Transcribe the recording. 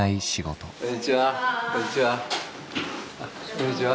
こんにちは。